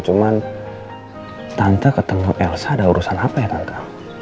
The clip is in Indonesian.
cuman tante ketemu elsa ada urusan apa yang tante